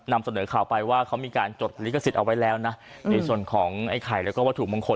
นำเสนอข่าวไปว่าเขามีการจดลิขสิทธิ์เอาไว้แล้วนะในส่วนของไอ้ไข่แล้วก็วัตถุมงคล